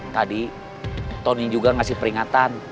tadi tony juga ngasih peringatan